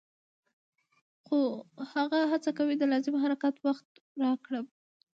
خو هغه هڅه کوي د لازم کار وخت را کم کړي